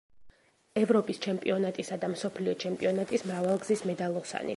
ევროპის ჩემპიონატისა და მსოფლიო ჩემპიონატის მრავალგზის მედალოსანი.